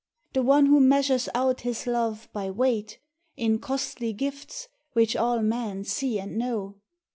The one who measures out his love by weight In costly gifts which all men see and know?